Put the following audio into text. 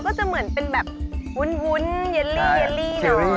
อ๋อก็จะเหมือนเป็นแบบวุ้นเยลลี่หน่อย